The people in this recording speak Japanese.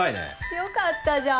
よかったじゃん。